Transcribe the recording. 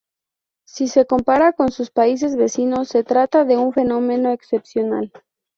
Si se compara con sus países vecinos, se trata de un fenómeno excepcional.